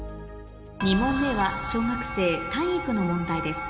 ２問目は小学生体育の問題です